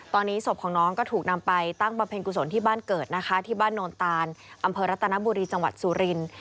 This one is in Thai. ตอนนี้ศพของน้องก็ถูกนำไปตั้งบำเพ็ญกุศลที่บ้านเกิดนะคะที่บ้านโนนตานอำเภอรัตนบุรีจังหวัดสุรินทร์